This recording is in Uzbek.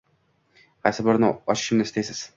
Qaysi birini ochishimni istaysiz?